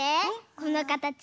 このかたち